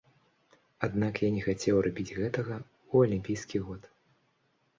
Аднак я не хацеў рабіць гэтага ў алімпійскі год.